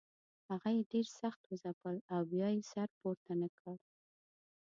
هغه یې ډېر سخت وځپل او بیا یې سر پورته نه کړ.